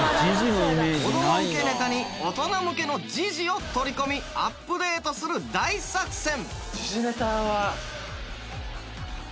子どもウケネタに大人向けの時事を取り込みアップデートする大作戦。